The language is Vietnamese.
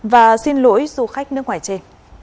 và xin lỗi du khách nước ngoài chê